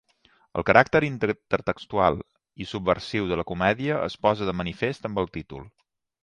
El caràcter intertextual i subversiu de la comèdia es posa de manifest amb el títol.